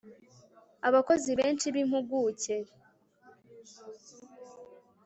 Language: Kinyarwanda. abakozi benshi b'impuguke